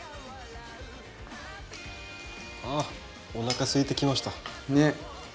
あおなかすいてきました。ねっ。